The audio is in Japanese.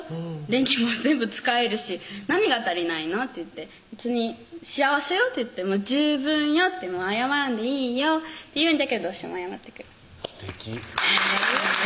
「電気も全部使えるし何が足りないの？」って言って「別に幸せよ」って言って「十分よ」って「謝らんでいいよ」と言うんだけどどうしても謝ってくるすてき